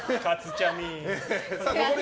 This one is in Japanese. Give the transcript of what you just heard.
かつちゃみ。